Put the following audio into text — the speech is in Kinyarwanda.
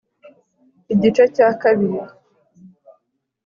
Igice cya kabiri .